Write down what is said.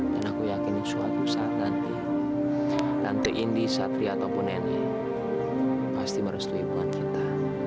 dan aku yakin suatu saat nanti nanti indi satri ataupun nenek pasti merestuin paham kita